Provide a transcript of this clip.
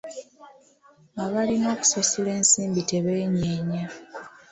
Abalina okusasula ensimbi tebeenyeenya.